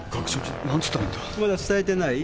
まだ伝えてない？